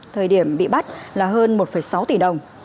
thời điểm bị bắt là hơn một sáu tỷ đồng